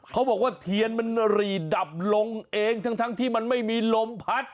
เขาบอกว่าเทียนมันหรี่ดับลงเองทั้งที่มันไม่มีลมพัด